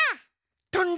とんだ！